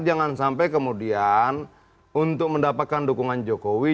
jangan sampai kemudian untuk mendapatkan dukungan jokowi